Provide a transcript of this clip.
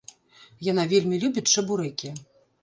Яна вельмі любіць чабурэкі.